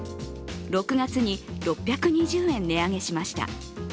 ６月に６２０円値上げしました。